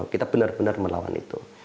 kita benar benar melawan itu